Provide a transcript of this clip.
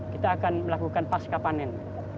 kita akan melakukan pasca panen